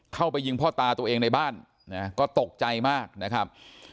เข้าไปยิงพ่อตาตัวเองในบ้านนะก็ตกใจมากนะครับ